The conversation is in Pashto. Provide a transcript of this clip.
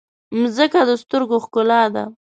مځکه د سترګو ښکلا ده.